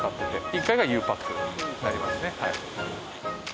１階がゆうパックになりますね。